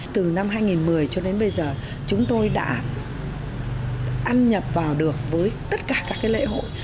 từ năm hai nghìn một mươi cho đến bây giờ chúng tôi đã ăn nhập vào được với tất cả các lễ hội